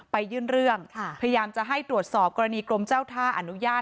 ยื่นเรื่องพยายามจะให้ตรวจสอบกรณีกรมเจ้าท่าอนุญาต